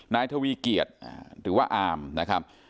นายทวีเกียจหรือว่าอามนะครับ